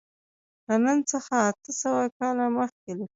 له نن څخه اته سوه کاله مخکې لیکلی.